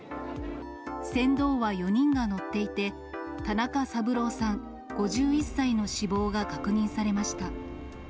船頭は４人が乗っていて、田中三郎さん５１歳の死亡が確認されました。